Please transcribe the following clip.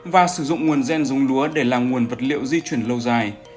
và sử dụng nguồn gen dùng lúa để làm nguồn vật liệu di chuyển lâu dài